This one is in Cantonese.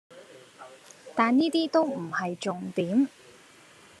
但依啲都唔係重點